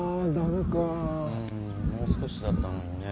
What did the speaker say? んもう少しだったのにね。